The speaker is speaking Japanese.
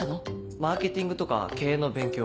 マーケティングとか経営の勉強を。